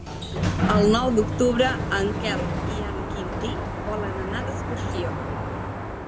El nou d'octubre en Quel i en Quintí volen anar d'excursió.